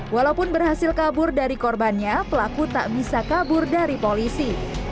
walaupun berhasil kabur dari korbannya pelaku tak bisa kabur dari polisi